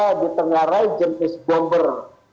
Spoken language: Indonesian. yang di tengah raih jenis bomber